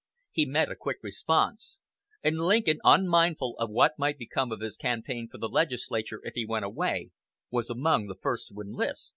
He met a quick response; and Lincoln, unmindful of what might become of his campaign for the legislature if he went away, was among the first to enlist.